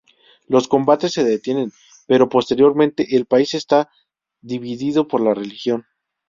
Los combates se detienen, pero, posteriormente, el país está dividido por la religión.